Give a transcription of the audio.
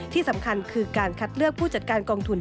ที่สำคัญคือการคัดเลือกผู้จัดการกองทุน